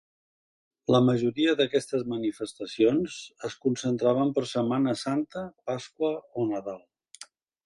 La majoria d'aquestes manifestacions es concentraven per Setmana Santa, Pasqua o Nadal.